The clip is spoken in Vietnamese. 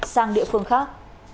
sang địa phương khác